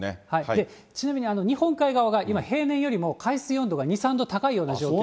ちなみに、日本海側が今、平年よりも海水温度が２、３度高いような状況。